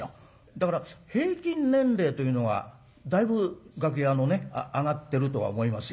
だから平均年齢というのはだいぶ楽屋のね上がってるとは思いますよ。